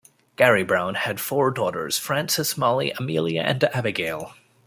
Garry Brown had four daughters, Frances, Mollie, Amelia, and Abigail.